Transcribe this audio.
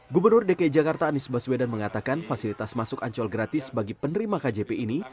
gubernur dki jakarta anies baswedan mengatakan fasilitas masuk ancol gratis bagi penerima kjp ini